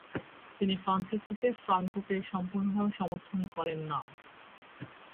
তিনি ফ্রান্সিসকো ফ্রাঙ্কোকে সম্পূর্ণভাবে সমর্থন করেন না।